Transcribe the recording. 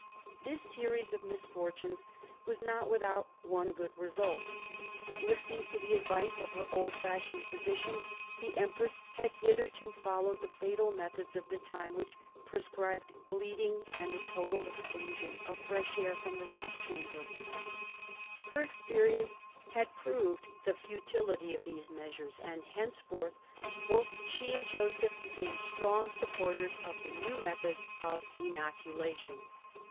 This series of misfortunes was not without one good 1765 70 DOMESTIC AFFAIRS 219 result. Listening to the advice of her old fashioned physicians, the empress had hitherto followed the fatal methods of the time which prescribed bleeding and the total exclusion of fresh air from the sick chamber. Her sad experience had proved the futility of these measures; and henceforth both she and Joseph became strong supporters of the new method of inoculation.